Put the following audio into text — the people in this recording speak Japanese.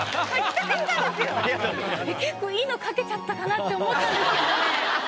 結構いいの描けちゃったかなって思ったんですけどね。